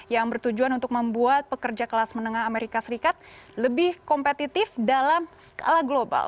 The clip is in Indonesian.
yang bertujuan untuk membuat pekerja kelas menengah amerika serikat lebih kompetitif dalam skala global